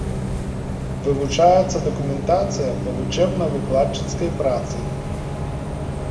Вывучаецца дакументацыя па вучэбна-выкладчыцкай працы.